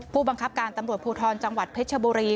ผู้บังคับการตำรวจภูทรจังหวัดเพชรชบุรี